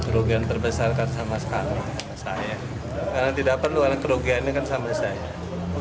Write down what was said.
rugian terbesarkan sama sekali karena tidak perlu karena kerugiannya kan sama saja